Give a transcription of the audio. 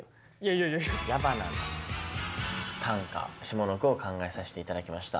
矢花の短歌下の句を考えさせて頂きました。